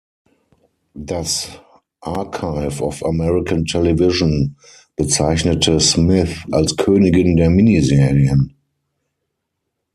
Das "Archive of American Television" bezeichnete Smith als „Königin der Miniserien“.